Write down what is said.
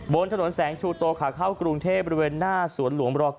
บนถนนแสงชูโตขาเข้ากรุงเทพบริเวณหน้าสวนหลวงบร๙